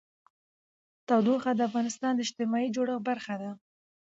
تودوخه د افغانستان د اجتماعي جوړښت برخه ده.